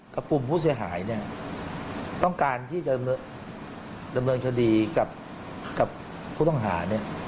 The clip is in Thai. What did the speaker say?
กับกลุ่มผู้เสียหายต้องการที่จะดำเนินทดีกับผู้ต่องหา